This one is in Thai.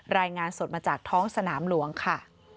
รายงานสดมาจากท้องสนามหลวงค่ะ